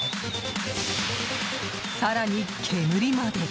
更に、煙まで。